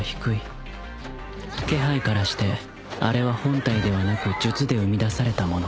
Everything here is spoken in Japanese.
気配からしてあれは本体ではなく術で生み出されたもの